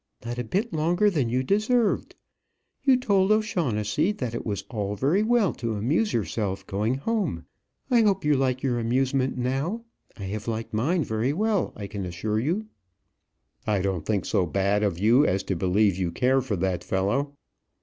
"Not a bit longer than you deserved. You told O'Shaughnessey, that it was all very well to amuse yourself, going home. I hope you like your amusement now. I have liked mine very well, I can assure you." "I don't think so bad of you as to believe you care for that fellow."